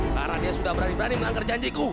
karena dia sudah berani berani melanggar janjiku